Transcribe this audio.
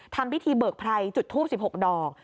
ทำพิธีเบิกไพรจุดทูป๑๖ดอก